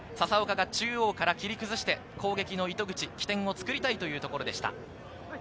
中央から切り崩して攻撃の入り口、起点を作りたいというところでした。